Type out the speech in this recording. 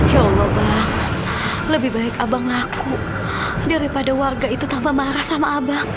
ya allah bang lebih baik abang ngaku daripada warga itu tanpa marah sama abang